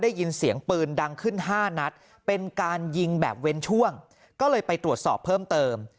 ได้ยินเสียงปืนดังขึ้น๕นัดเป็นการยิงแบบเว้นช่วงก็เลยไปตรวจสอบเพิ่มเติม